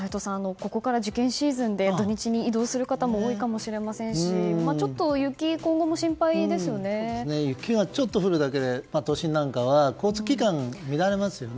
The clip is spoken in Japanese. ここから受験シーズンで土日に移動する方も多いかもしれませんし雪がちょっと降るだけで都心なんかは交通機関が乱れますよね。